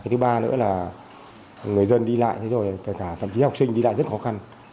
thứ ba nữa là người dân đi lại thế rồi kể cả thậm chí học sinh đi lại rất khó khăn